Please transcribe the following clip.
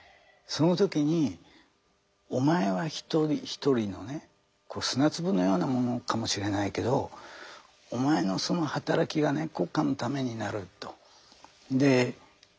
その時にお前は一人一人のね砂粒のようなものかもしれないけどお前のその働きがね国家のためになると。